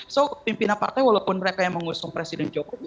so pimpinan partai walaupun mereka yang mengusung presiden jokowi